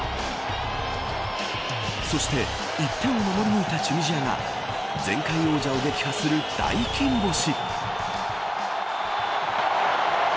そして、１点を守り抜いたチュニジアが前回王者を撃破する大金星。